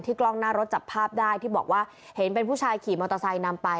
กล้องหน้ารถจับภาพได้ที่บอกว่าเห็นเป็นผู้ชายขี่มอเตอร์ไซค์นำไป